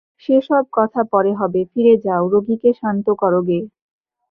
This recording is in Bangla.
সে-সব কথা পরে হবে, ফিরে যাও, রোগীকে শান্ত করো গে।